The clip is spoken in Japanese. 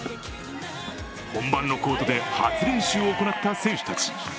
本番のコートで初練習を行った選手たち。